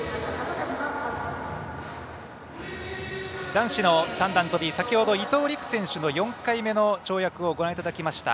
男子の三段跳び先ほど伊藤陸選手の４回目の跳躍をご覧いただきました。